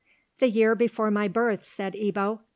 "The year before my birth," said Ebbo.